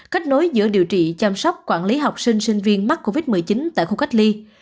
kết nối giữa điều trị chăm sóc quản lý học sinh sinh viên mắc covid một mươi chín tại khu cách ly